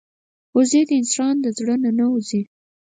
وزې د انسان د زړه نه نه وځي